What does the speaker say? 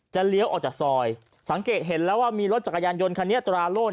เลี้ยวออกจากซอยสังเกตเห็นแล้วว่ามีรถจักรยานยนต์คันนี้ตราโล่